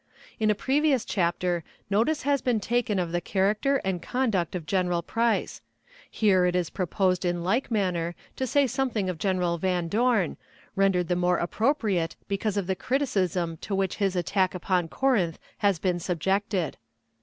In a previous chapter notice has been taken of the character and conduct of General Price; here it is proposed in like manner to say something of General Van Dorn, rendered the more appropriate because of the criticism to which his attack upon Corinth has been subjected.